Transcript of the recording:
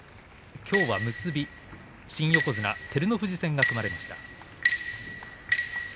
きょうは結び、新横綱照ノ富士戦が組まれました。